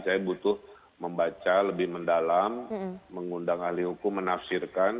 saya butuh membaca lebih mendalam mengundang ahli hukum menafsirkan